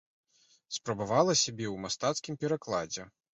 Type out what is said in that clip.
Спрабавала сябе ў мастацкім перакладзе.